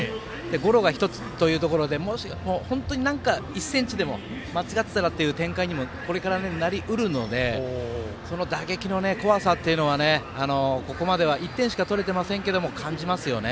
ゴロが１つということで本当に何か１ｃｍでも間違えていればという展開にも、これからなりうるのでその打撃の怖さっていうのはここまでは１点しか取れてませんが感じます。